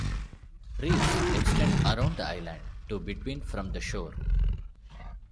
Reefs extend around the island to between from the shore.